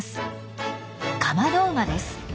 カマドウマです。